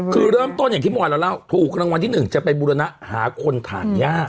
คือเริ่มต้นอย่างที่มอยเราเล่าถูกรางวัลที่๑จะไปบูรณะหาคนฐานยาก